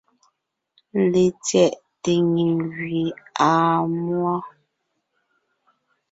LetsyɛꞋte nyìŋ gẅie àa múɔ.